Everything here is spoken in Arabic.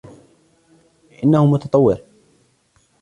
انه متطور.